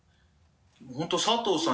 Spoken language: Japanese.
本当佐藤さん